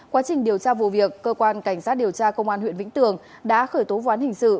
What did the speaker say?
quá trình điều tra vụ việc cơ quan cảnh sát điều tra công an huyện vĩnh tường đã khởi tố ván hình sự